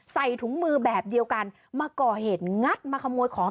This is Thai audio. ใส่ถุงมือแบบเดียวกันมาก่อเหตุงัดมาขโมยของ